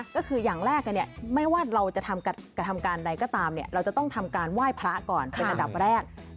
ก็คืออย่างแรกไม่ว่าเราจะกระทำการใดก็ตามเราจะต้องทำการไหว้พระก่อนเป็นอันดับแรก